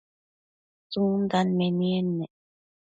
tsundan menied ne?